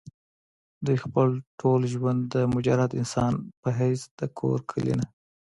دوي خپل ټول ژوند د مجرد انسان پۀ حېث د کور کلي نه